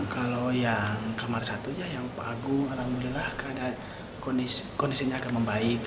kalau yang kamar satunya yang pak agung alhamdulillah kondisinya akan membaik